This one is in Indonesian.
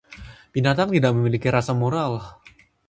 Binatang tidak memiliki rasa moral.